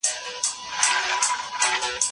د صنعت او معارف اداره بايد سمه سي.